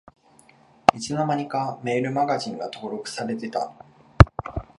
いつの間にかメールマガジンが登録されてた